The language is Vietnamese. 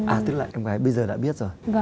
à tức là con gái bây giờ đã biết rồi